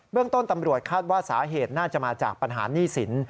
เรื่องต้นตำรวจคาดว่าสาเหตุน่าจะมาจากปัญหาหนี้สิน